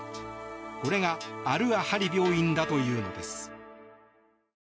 これがアル・アハリ病院だというのです。